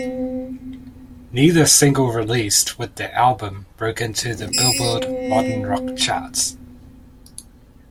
Neither single released with the album broke into the "Billboard" Modern Rock charts.